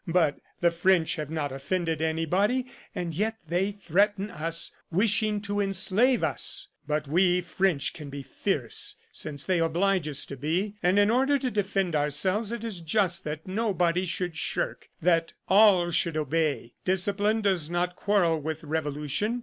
But the French have not offended anybody, and yet they threaten us, wishing to enslave us. ... But we French can be fierce, since they oblige us to be, and in order to defend ourselves it is just that nobody should shirk, that all should obey. Discipline does not quarrel with Revolution.